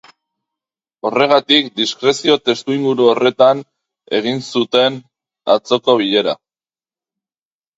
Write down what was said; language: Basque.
Horregatik, diskrezio testuinguru horretan egin zuten atzoko bilera.